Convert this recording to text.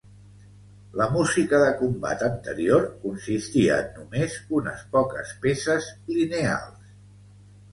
La música de combat anterior consistia en només unes poques peces lineals.